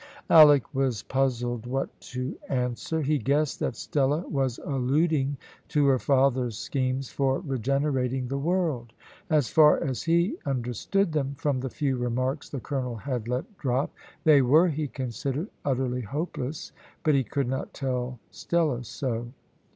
Alick was puzzled what to answer. He guessed that Stella was alluding to her father's schemes for regenerating the world. As far as he understood them, from the few remarks the colonel had let drop, they were, he considered, utterly hopeless, but he could not tell Stella so.